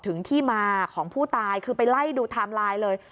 ถึงที่มาของผู้ตายคือไปไล่ดูไทม์ไลน์เลย